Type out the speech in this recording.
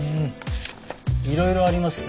いろいろありますね。